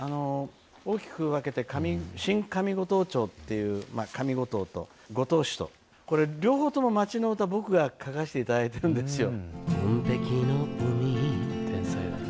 大きく分けて、新上五島町っていう上五島と、五島市と、これ両方とも町の歌、僕が書かせていただいているんですよ。